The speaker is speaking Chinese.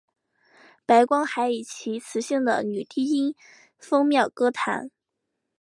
白光还以其磁性的女低音风靡歌坛。